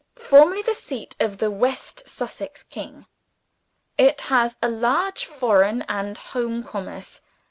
Formerly the seat of the West Saxon Kings. It has a large foreign and home commerce.